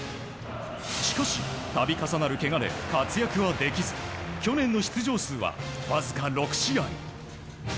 しかし、度重なるけがで活躍はできず去年の出場数はわずか６試合。